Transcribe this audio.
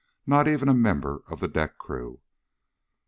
Not even a member of the deck crew.